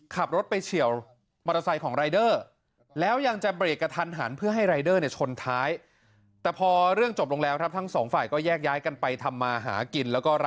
ขับรถไปเฉียวมอเตอร์ไซค์ของรายเดอร์